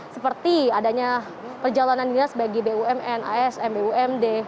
seperti adanya perjalanan jelas bagi bumn as mbumd